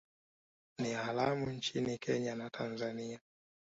Ni haramu nchini Kenya na Tanzania